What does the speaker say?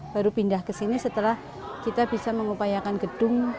baru pindah ke sini setelah kita bisa mengupayakan gedung